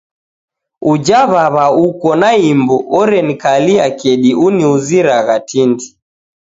Uja w'aw'a uko na imbu, orenikalia kedi uniuziragha tindi.